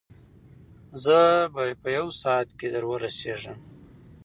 زه به په یو ساعت کې در ورسېږم.